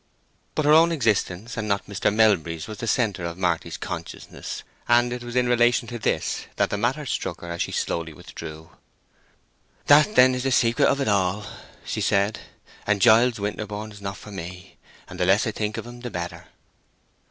But her own existence, and not Mr. Melbury's, was the centre of Marty's consciousness, and it was in relation to this that the matter struck her as she slowly withdrew. "That, then, is the secret of it all," she said. "And Giles Winterborne is not for me, and the less I think of him the better."